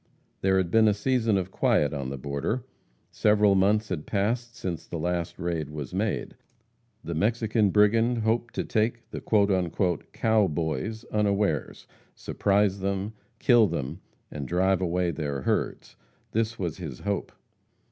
There had been a season of quiet on the border. Several months had passed since the last raid was made. The Mexican brigand hoped to take the "cow boys" unawares surprise them kill them, and drive away their herds. This was his hope.